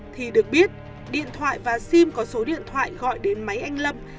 thì được biết điện thoại và sim có số điện thoại gọi đến máy anh lâm